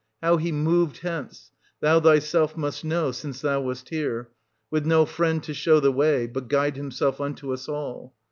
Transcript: How he moved hence, thou thyself must know, since thou wast here, — with no friend to show the way, but guide himself unto us all.